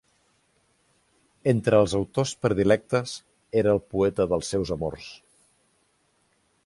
Entre els autors predilectes, era el poeta dels seus amors.